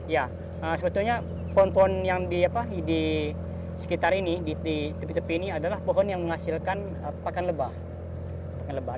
ya sebetulnya pohon pohon yang di sekitar ini di tepi tepi ini adalah pohon yang menghasilkan pakan lebah